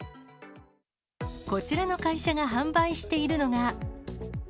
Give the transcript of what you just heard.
こちらの会社が販売しているのが。